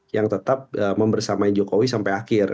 yang tetap membersamai jokowi sampai akhir